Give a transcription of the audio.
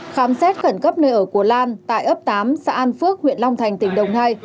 khám xét khẩn cấp nơi ở của lan tại ấp tám xã an phước huyện long thành tỉnh đồng nai